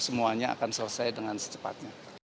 semuanya akan selesai dengan secepatnya